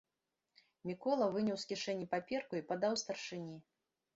Мікола выняў з кішэні паперку і падаў старшыні.